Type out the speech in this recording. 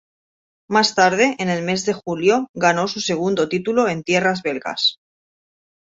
Más tarde, en el mes de julio, ganó su segundo título en tierras belgas.